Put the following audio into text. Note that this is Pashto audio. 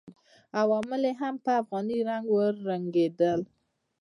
عوامل یې هم په افغاني رنګ ورنګېدل.